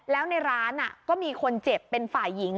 แล้วในร้านก็มีคนเจ็บเป็นฝ่ายหญิง